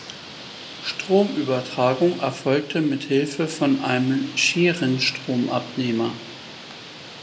Stromübertragung erfolgte mithilfe von einem Scherenstromabnehmer.